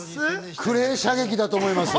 クレー射撃だと思います。